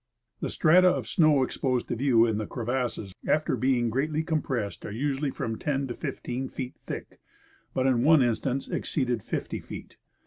The strata of snow exposed to view in the crevasses, after being greatly compressed, are usually from ten to fifteen feet thick, but in one instance exceeded fifty feet.